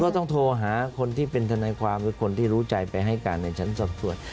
ต้องโทรหาคนที่เป็นทนายความหรือคนที่รู้ใจไปให้การในชั้นสอบส่วน